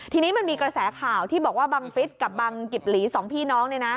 ทีนี้มันมีกระแสข่าวที่บอกว่าบังฟิศกับบังกิบหลีสองพี่น้อง